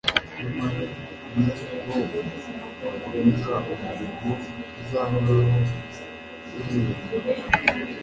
nyamara ni bo bakomeza umurimo uzahoraho w'umuremyi